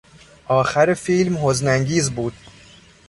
آخر فیلم حزن انگیز بود.